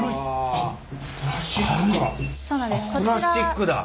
あっプラスチックだ。